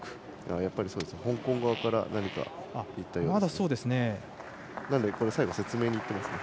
やっぱり香港側から何か言ったようですね。